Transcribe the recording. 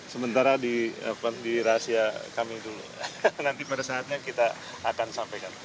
sementara di rahasia kami dulu nanti pada saatnya kita akan sampaikan